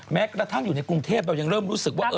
แม้กระทั่งอยู่ในกรุงเทพเรายังเริ่มรู้สึกว่า